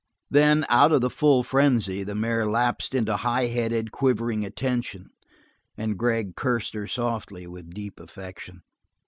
Then, out of the full frenzy, the mare lapsed into high headed, quivering attention, and Gregg cursed her softly, with deep affection.